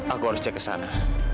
aku harus cek kesana